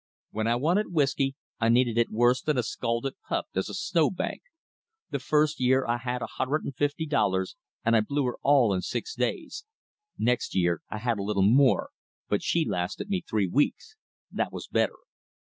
When I wanted whisky, I needed it worse than a scalded pup does a snow bank. The first year I had a hundred and fifty dollars, and I blew her all in six days. Next year I had a little more, but she lasted me three weeks. That was better.